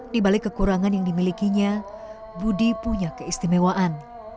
di balik kekurangan yang dimilikinya budi punya keistimewaan